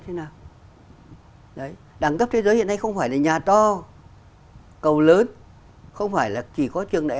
thế nào đấy đẳng cấp thế giới hiện nay không phải là nhà to cầu lớn không phải là chỉ có trường đại